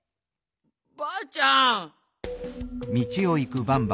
ばあちゃん。